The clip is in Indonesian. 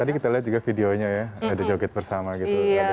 tadi kita lihat juga videonya ya ada joget bersama gitu